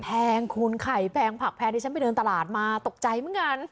แพงคุณไข่แพงผักแพงที่ฉันไปเดินตลาดมาตกใจเหมือนกัน